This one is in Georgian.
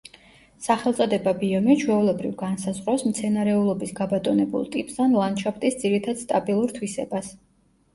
სახელწოდება „ბიომი“ ჩვეულებრივ განსაზღვრავს მცენარეულობის გაბატონებულ ტიპს ან ლანდშაფტის ძირითად სტაბილურ თვისებას.